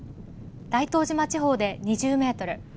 大東島地方で２０メートル。